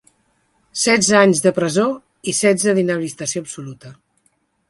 Setze anys de presó i setze d’inhabilitació absoluta.